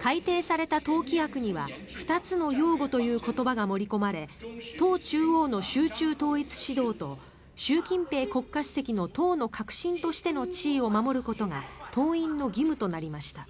改定された党規約には二つの擁護という言葉が盛り込まれ党中央の集中統一指導と習近平国家主席の党の核心としての地位を守ることが党員の義務となりました。